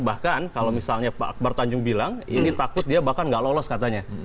bahkan kalau misalnya pak akbar tanjung bilang ini takut dia bahkan gak lolos katanya